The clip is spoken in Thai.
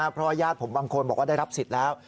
เพราะว่าญาติผมบางคนบอกว่าได้รับสิทธิ์แล้ว